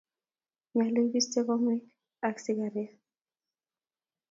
nyoluu ibiste komek ak sigaret